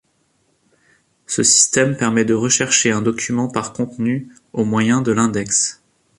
Ce système permet de rechercher un document par contenu, au moyen de l’index.